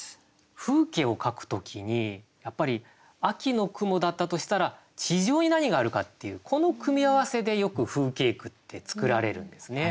風景を描く時にやっぱり秋の雲だったとしたら地上に何があるかっていうこの組み合わせでよく風景句って作られるんですね。